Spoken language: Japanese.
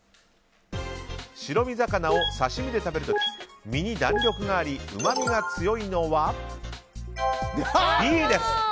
白身魚を刺身で食べる時身に弾力がありうまみが強いのはＢです。